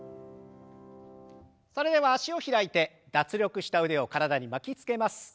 それでは脚を開いて脱力した腕を体に巻きつけます。